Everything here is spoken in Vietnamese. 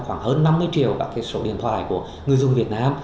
khoảng hơn năm mươi triệu các số điện thoại của người dùng việt nam